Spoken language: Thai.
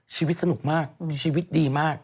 ชีวิตสนุกมากชีวิตดีมาก